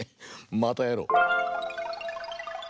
またやろう！